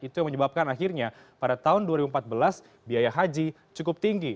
itu yang menyebabkan akhirnya pada tahun dua ribu empat belas biaya haji cukup tinggi